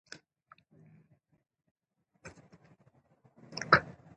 زموږ کلتور او ژبه زموږ د ملي هویت اصلي نښې دي.